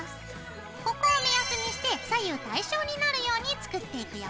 ここを目安にして左右対称になるように作っていくよ。